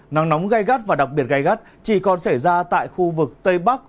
nắng nóng gây gắt và đặc biệt gây gắt chỉ còn xảy ra tại khu vực tây bắc